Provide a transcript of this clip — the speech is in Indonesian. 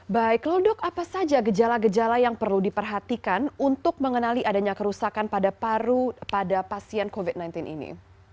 baik lalu dok apa saja gejala gejala yang perlu diperhatikan untuk mengenali adanya kerusakan pada paru pada pasien covid sembilan belas ini